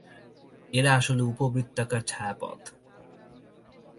এরা আসলে উপবৃত্তাকার ছায়াপথ।